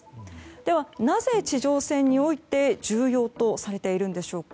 では、なぜ地上戦において重要とされているんでしょうか。